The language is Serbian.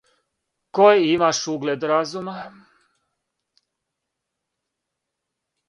који имаш углед разума